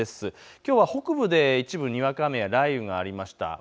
きょうは一部、北部でにわか雨や雷雨がありました。